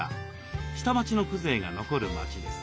下町の風情が残る町です。